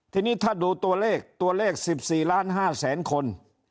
ทีนี้ถ้าดูตัวเลข๑๔๕๐๐๐๐๐คน